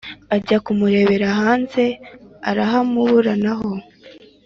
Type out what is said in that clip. ajya kumurebera hanze arahamubura naho.